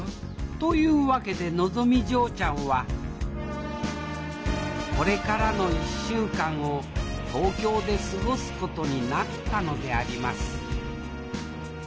というわけでのぞみ嬢ちゃんはこれからの１週間を東京で過ごすことになったのであります